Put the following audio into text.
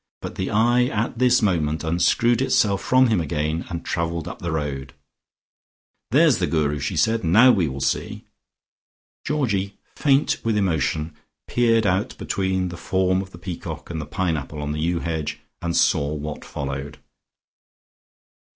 But the eye at this moment unscrewed itself from him again and travelled up the road. "There's the Guru," she said. "Now we will see!" Georgie, faint with emotion, peered out between the form of the peacock and the pine apple on the yew hedge, and saw what followed.